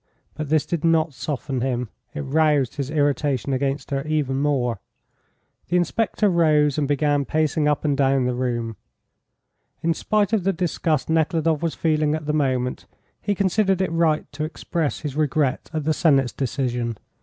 But this did not soften him; it roused his irritation against her even more. The inspector rose and began pacing up and down the room. In spite of the disgust Nekhludoff was feeling at the moment, he considered it right to express his regret at the Senate's decision.